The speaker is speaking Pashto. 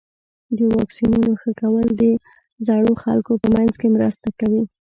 د واکسینونو ښه کول د زړو خلکو په منځ کې مرسته کوي.